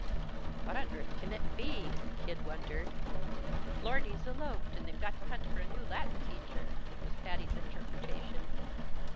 "What on earth can it be?" Kid wondered. "Lordy's eloped, and they've got to hunt for a new Latin teacher," was Patty's interpretation.